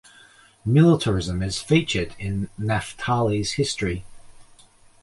Militarism is featured in Naphtali's history.